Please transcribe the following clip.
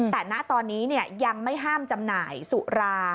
แต่ณตอนนี้ยังไม่ห้ามจำหน่ายสุรา